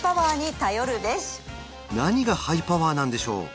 何がハイパワーなんでしょう？